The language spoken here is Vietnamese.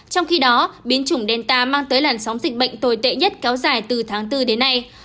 trong khi đó biến chủng delta mang tới làn sóng dịch bệnh tồi tệ nhất kéo dài từ tháng bốn đến nay